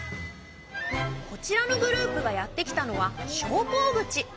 こちらのグループがやって来たのは昇降口。